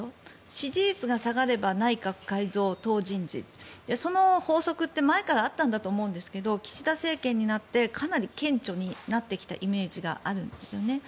支持率が下がれば内閣改造、党人事その法則って前からあったんだと思うんですが岸田政権になってかなり顕著になってきたイメージがあるんですね。